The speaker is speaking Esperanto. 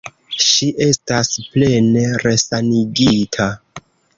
Ŝi estas plene resanigita.